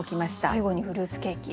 最後に「フルーツケーキ」。